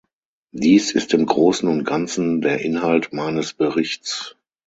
Dies ist im Großen und Ganzen der Inhalt meines Berichts.